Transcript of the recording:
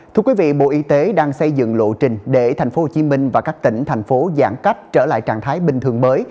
thưa quý vị bộ y tế đang xây dựng lộ trình để tp hcm và các tỉnh thành phố giãn cách trở lại trạng thái bình thường mới